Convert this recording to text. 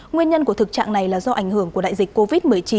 nguyên nhân của thực trạng này là do ảnh hưởng của đại dịch covid một mươi chín